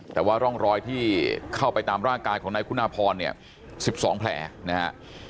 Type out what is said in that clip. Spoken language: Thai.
แต่ว่าร่องรอยที่เข้าไปตามร่างกายของนายคุณาพรเนี่ย๑๒แผลนะฮะ